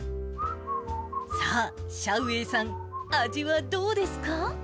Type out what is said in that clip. さあ、シャウ・ウェイさん、味はどうですか？